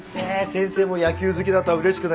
先生も野球好きだとはうれしくなります。